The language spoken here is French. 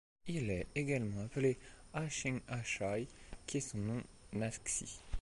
Il est également appelé A-sheng A-chai, qui est son nom naxi.